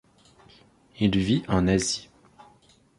Il vit en Asie.